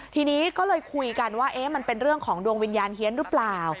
ทีนี้ก็เลยคุยกันว่ามันเป็นเรื่องของดวงวิญญาณเฮียนหรือเปล่า